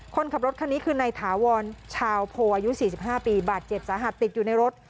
คนขับรถคันนี้คือนายถาวรชาวโพอายุ๔๕ปีบาดเจ็บสาหัสติดอยู่ในรถ